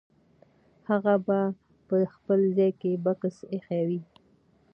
هغه به په خپل ځای کې بکس ایښی وي.